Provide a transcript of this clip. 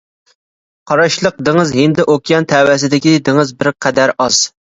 قاراشلىق دېڭىز ھىندى ئوكيان تەۋەسىدىكى دېڭىز بىر قەدەر ئاز.